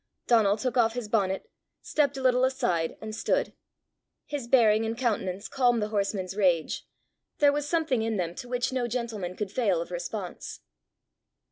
Donal took off his bonnet, stepped a little aside, and stood. His bearing and countenance calmed the horseman's rage; there was something in them to which no gentleman could fail of response.